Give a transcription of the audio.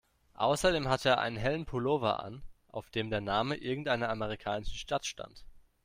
Außerdem hatte er einen hellen Pullover an, auf dem der Name irgendeiner amerikanischen Stadt stand.